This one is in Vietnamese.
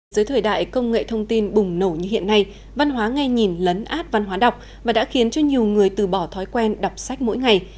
dưới thời đại công nghệ thông tin bùng nổ như hiện nay văn hóa ngay nhìn lấn át văn hóa đọc và đã khiến cho nhiều người từ bỏ thói quen đọc sách mỗi ngày